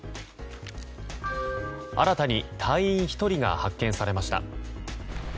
新たに隊員１人が発見されました。